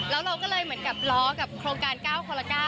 แล้วเราก็เลยเหมือนกับล้อกับโครงการ๙คนละ๙